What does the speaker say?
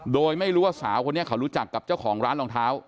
โดยไม่รู้ว่าสาวคนนี้เขารู้จักกับเจ้าของร้านรองเท้า